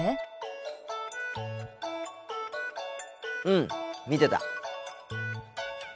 うん見てた。